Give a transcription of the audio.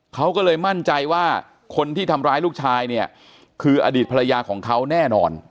เขาก็เลยมั่นใจว่าคนที่ทำร้ายลูกชายเนี่ยคืออดีตภรรยาของเขาแน่นอน